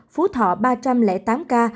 phú thọ ba trăm linh tám ca